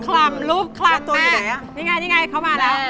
ลูบคลัมแม่